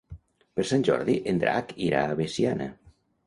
Per Sant Jordi en Drac irà a Veciana.